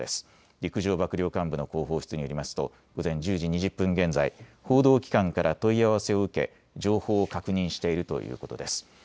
陸上幕僚監部の広報室によりますと午前１０時２０分現在、報道機関から問い合わせを受け情報を確認しているということです。